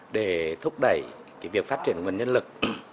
để thúc đẩy việc phát triển nguồn nhân lực